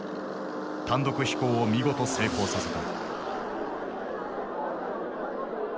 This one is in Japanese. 単独飛行を見事成功させた。